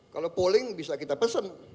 kalau polling bisa kita pesen